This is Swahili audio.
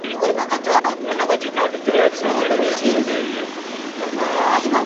sehemu kubwa ya Siberia Sehemu kubwa za Urusi